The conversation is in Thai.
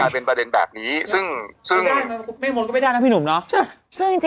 เป็นคนดีดีที่สุด